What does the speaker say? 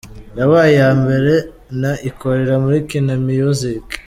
yabaye iya mbere na ikorera muri Kina Miyuziki.